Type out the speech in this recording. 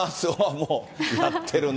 もうやってるね。